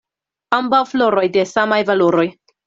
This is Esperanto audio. Ambaŭ floroj de samaj valoroj.